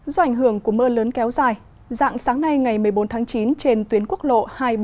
do ảnh hưởng của mưa lớn kéo dài dạng sáng nay ngày một mươi bốn tháng chín trên tuyến quốc lộ hai trăm bảy mươi